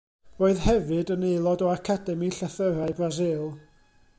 Roedd hefyd yn aelod o Academi Llythyrau Brasil.